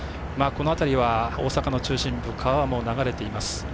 この辺りは大阪の中心部川も流れています。